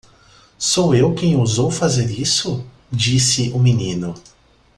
"Sou eu quem ousou fazer isso?" disse o menino.